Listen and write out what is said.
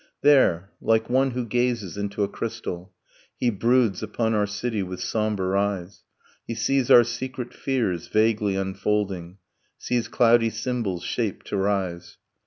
There, like one who gazes into a crystal, He broods upon our city with sombre eyes; He sees our secret fears vaguely unfolding, Sees cloudy symbols shape to rise.